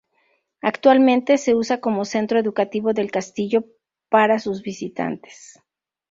Actualmente se usa como centro educativo del castillo para sus visitantes.